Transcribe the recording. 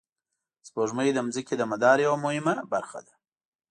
سپوږمۍ د ځمکې د مدار یوه مهمه برخه ده